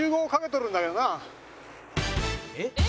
「えっ？」